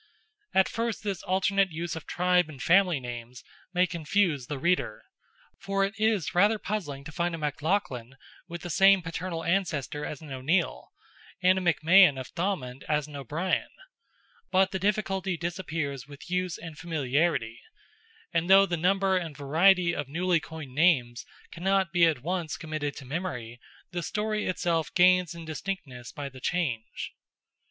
At first this alternate use of tribe and family names may confuse the reader—for it is rather puzzling to find a MacLoughlin with the same paternal ancestor as an O'Neill, and a McMahon of Thomond as an O'Brien, but the difficulty disappears with use and familiarity, and though the number and variety of newly coined names cannot be at once committed to memory, the story itself gains in distinctness by the change.